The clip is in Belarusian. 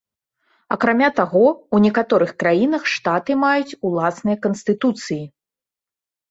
Акрамя таго, у некаторых краінах штаты маюць уласныя канстытуцыі.